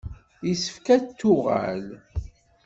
Yessefk ad d-tuɣal.